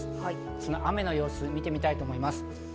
その雨の様子を見てみたいと思います。